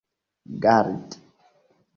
gardi